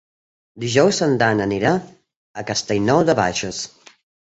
Dijous en Dan anirà a Castellnou de Bages.